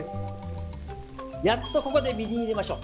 やっとここでみりん入れましょう。